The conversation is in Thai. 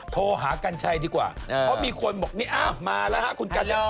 โทรหากัญชัยดีกว่าเพราะมีคนบอกนี่อ้าวมาแล้วฮะคุณกัญชัย